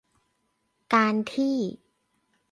การที่